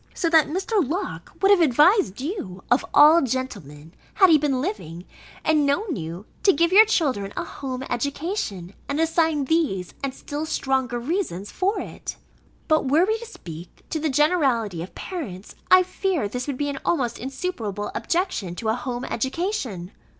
So that Mr. Locke would have advised you, of all gentlemen, had he been living, and known you, to give your children a home education, and assign these, and still stronger reasons for it. But were we to speak to the generality of parents, I fear this would be an almost insuperable objection to a home education.